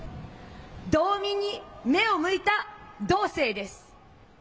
道民に目を向いた道政です。